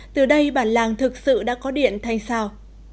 từ đây bản làng thực sự đã có điện thành sao